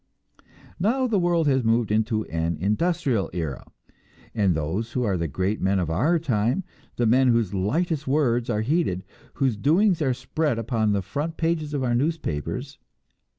Now the world has moved into an industrial era, and who are the great men of our time, the men whose lightest words are heeded, whose doings are spread upon the front pages of our newspapers?